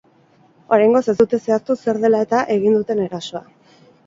Oraingoz ez dute zehaztu zer dela-eta egin duten erasoa.